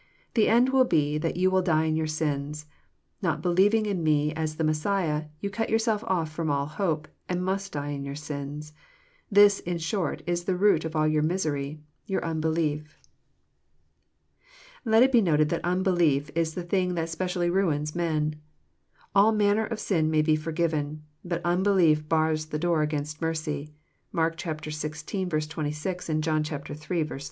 The end will be that you will die in your sins. Not believing in Me as the Mes siah, you cut yourselves off ftt)ra all hope, and must die in your sins. This, in short, is the root of all your misery — ^your un« belief." Let it be noted that unbelief is the thing that specially ruins men. All manner of sin may be forgiven. But unbelief bars the door against mercy. (Mark xvi. 26, and John iii.